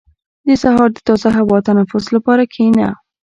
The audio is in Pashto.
• د سهار د تازه هوا تنفس لپاره کښېنه.